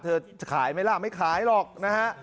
เธอขายไหมล่ะไม่ขายหรอกนะฮะ